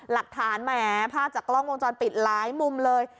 หลักฐานแหมภาพจากกล้องวงจรปิดหลายมุมเลย